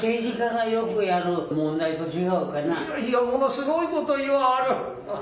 「いやいやものすごいこと言わはる」。